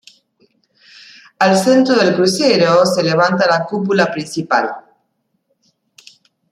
Al centro del crucero se levanta la cúpula principal.